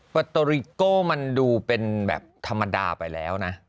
โปรโตริโก้มันดูเป็นแบบธรรมดาไปแล้วนะ